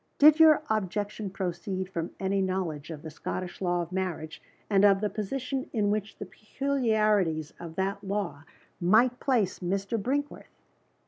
"Did your objection proceed from any knowledge of the Scottish law of marriage, and of the position in which the peculiarities of that law might place Mr. Brinkworth?"